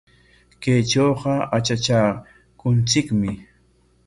Kaytrawqa atratraakunchikmi .